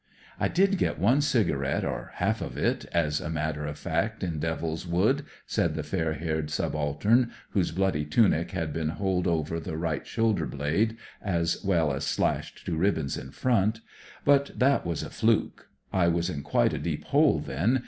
I did get one cigarette, or half of it, as a matter of fact, in Devil's Wood," said the fair haired subaltern whose bloody tunic had been holed over the right shoulder blade, as well as slashed to ■i THE DEVIL'S WOOD T5 ribbons in front. " But that was a fluke. I was in quite a deep hole then.